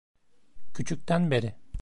Küçükten beri.